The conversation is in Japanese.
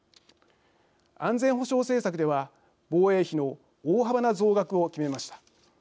安全保障政策では防衛費の大幅な増額を決めました。